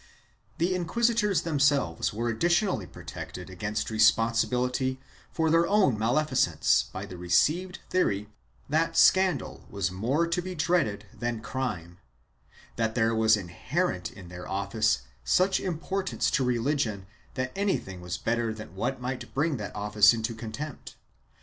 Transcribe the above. The inquisitors themselves were additionally protected against responsibility for their own malfeasance by the received theory that scandal was more to be dreaded than crime — that there was inherent in their office such importance to religion that anything was better than what might bring that office into contempt.